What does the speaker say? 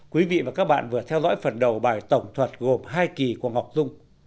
quý vị và các bạn vừa theo dõi phần đầu bài tổng thuật gồm hai kỳ của ngọc dung